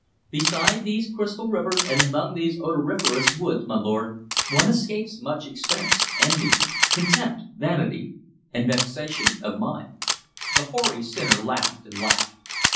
Beside these crystal rivers and among these odoriferous woods, my lord, one escapes much expense, envy, contempt, vanity, and vexation of mind.'" The hoary sinner laughed and laughed.